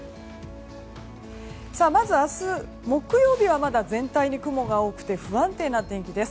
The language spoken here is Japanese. まず明日、木曜日はまだ全体に雲が多くて不安定な天気です。